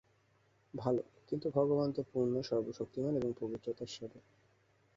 ভাল, কিন্তু ভগবান তো পূর্ণ, সর্বশক্তিমান এবং পবিত্রতার স্বরূপ।